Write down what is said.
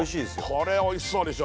これおいしそうでしょ